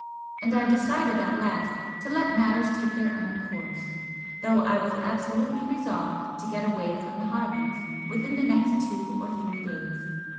And I decided at last to let matters take their own course, though I was absolutely resolved to get away from the Harlands within the next two or three days.